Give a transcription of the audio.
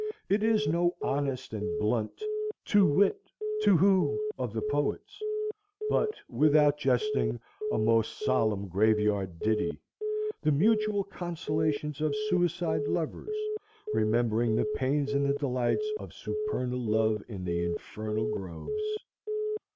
It is no honest and blunt tu whit tu who of the poets, but, without jesting, a most solemn graveyard ditty, the mutual consolations of suicide lovers remembering the pangs and the delights of supernal love in the infernal groves.